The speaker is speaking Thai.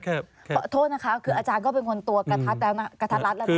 ขอโทษนะคะคืออาจารย์ก็เป็นคนตัวกะทัดละนะ